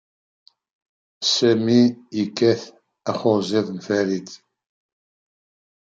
Sami yekkat axuzziḍ n Farid.